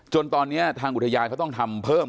จนตอนนี้ทางอุทยานเขาต้องทำเพิ่ม